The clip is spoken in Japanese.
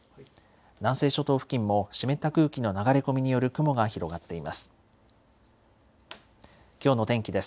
南西諸島付近も湿った空気の流れ込みによる雲が広がっています。